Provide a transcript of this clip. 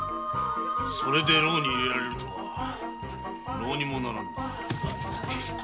それで牢に入れられるとはどうにもならんな。